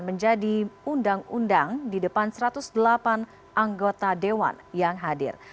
menjadi undang undang di depan satu ratus delapan anggota dewan yang hadir